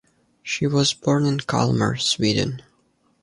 She was born in Kalmar, Sweden.